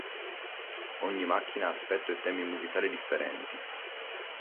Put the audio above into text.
Ogni macchina ha aspetto e temi musicali differenti.